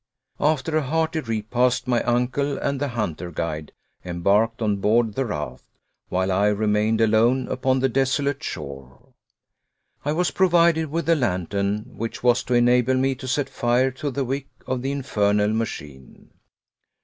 After a hearty repast, my uncle and the hunter guide embarked on board the raft, while I remained alone upon the desolate shore. I was provided with a lantern which was to enable me to set fire to the wick of the infernal machine.